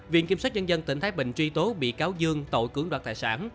viện kiểm soát dân dân tỉnh thái bình truy tố bị cáo dương tội cứng đoạt tài sản